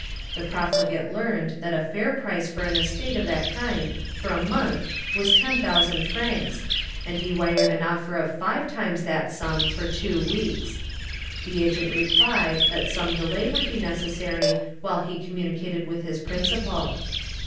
The profligate learned that a fair price for an estate of that kind for a month was ten thousand francs, and he wired an offer of five times that sum for two weeks. The agent replied that some delay would be necessary while he communicated with his principal.